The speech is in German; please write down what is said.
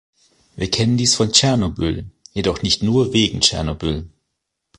Wir kennen dies von Tschernobyl, jedoch nicht nur wegen Tschernobyl.